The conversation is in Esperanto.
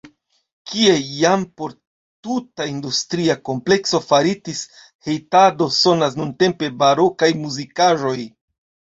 Kie iam por tuta industria komplekso faritis hejtado sonas nuntempe barokaj muzikaĵoj.